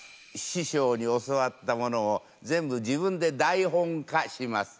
師匠に教わったものを全部自分で台本化します。